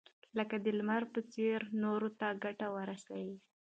لکه د لمر په څېر نورو ته ګټه ورسوئ.